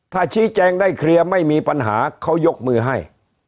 ถ้าชี้แจงได้เคลียร์ไม่มีปัญหาเขายกมือให้